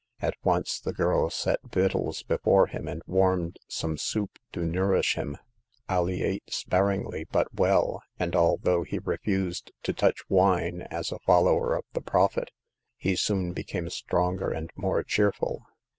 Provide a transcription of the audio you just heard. At once the girl set victuals before him, and warmed some soup to nourish him. Alee ate sparingly but well ; and although he refused to touch wine, as a follower of the Prophet, he soon became stronger and more cheerful.